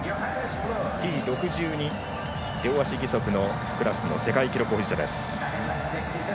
Ｔ６２両足義足のクラスの世界記録保持者です。